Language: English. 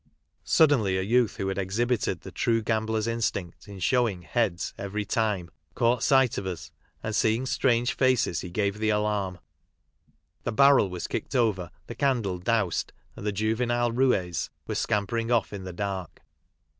Suddenly, a youth who had exhibited the true gamblers instinct in showing "heads" every time, caught sight of us, and' seeing strange faces, he gave the alarm ; the barrel was kicked over, the candle " dowsed," and the juvenile roues were scampering off in the dark.